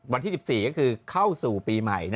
วันที่๑๔ก็คือเข้าสู่ปีใหม่